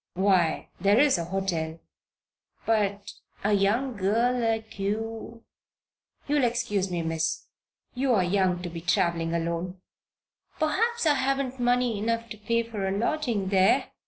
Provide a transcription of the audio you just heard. "Why there's a hotel. But a young girl like you You'll excuse me, Miss. You're young to be traveling alone." "Perhaps I haven't money enough to pay for a lodging there?"